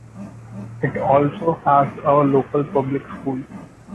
It also has a local public school.